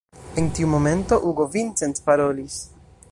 En tiu momento Hugo Vincent parolis: